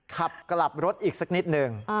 กลับรถอีกสักนิดหนึ่ง